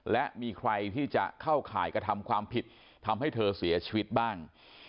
และมีใครที่จะเข้าข่ายกระทำความผิดทำให้เธอเสียชีวิตบ้าง